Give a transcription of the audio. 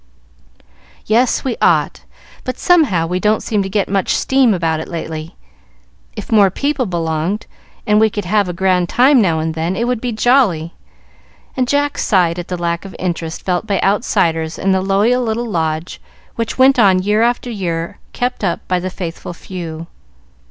"Yes, we ought, but somehow we don't seem to get up much steam about it lately. If more people belonged, and we could have a grand time now and then, it would be jolly;" and Jack sighed at the lack of interest felt by outsiders in the loyal little Lodge which went on year after year kept up by the faithful few.